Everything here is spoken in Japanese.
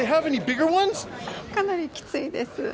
かなりきついです。